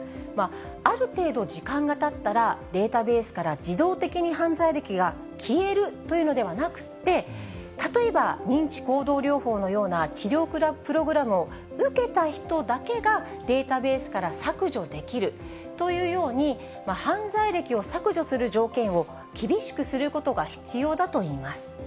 ある程度時間がたったら、データベースから自動的に犯罪歴が消えるというのではなくって、例えば、認知行動療法のような治療プログラムを受けた人だけがデータベースから削除できるというように、犯罪歴を削除する条件を厳しくすることが必要だといいます。